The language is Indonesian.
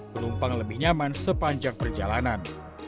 penumpang lebih nyaman sepanjang perjalanan